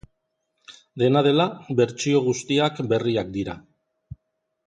Dena dela, bertsio guztiak berriak dira.